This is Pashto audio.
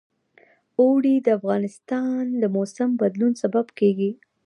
اوړي د افغانستان د موسم د بدلون سبب کېږي.